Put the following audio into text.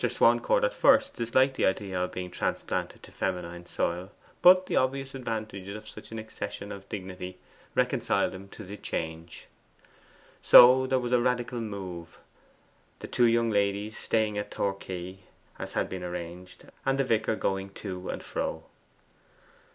Swancourt at first disliked the idea of being transplanted to feminine soil, but the obvious advantages of such an accession of dignity reconciled him to the change. So there was a radical 'move;' the two ladies staying at Torquay as had been arranged, the vicar going to and fro.